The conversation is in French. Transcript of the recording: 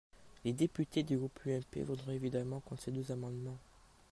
Les députés du groupe UMP voteront évidemment contre ces deux amendements.